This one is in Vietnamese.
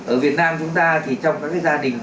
ở việt nam chúng ta thì trong các gia đình